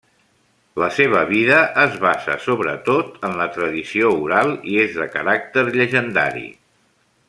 La seva vida es basa sobretot en la tradició oral i és de caràcter llegendari.